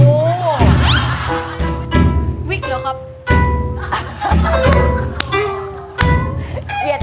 ก็แล้วครับที่กด